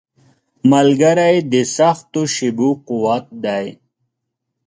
ملګری د سختو شېبو قوت دی.